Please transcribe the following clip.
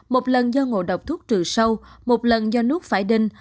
một lần do ngộ đọc thuốc trừ sâu một lần do nước phải đinh